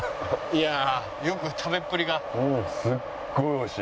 いやあよく食べっぷりが。